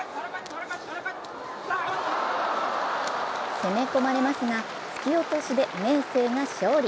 攻め込まれますが突き落としで明生が勝利。